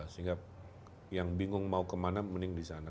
sehingga yang bingung mau kemana mending di sana